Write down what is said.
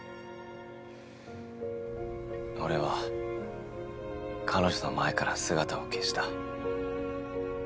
俺は彼女の前から姿を消した。